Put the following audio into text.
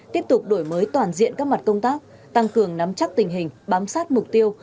tiếp tục đổi mới toàn diện các mặt công tác tăng cường nắm chắc tình hình bám sát mục tiêu